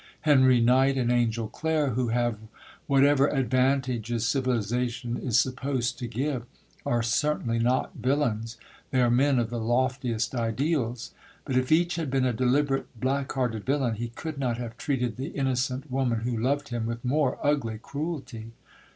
Henry Knight and Angel Clare, who have whatever advantages civilisation is supposed to give, are certainly not villains; they are men of the loftiest ideals; but if each had been a deliberate black hearted villain, he could not have treated the innocent woman who loved him with more ugly cruelty.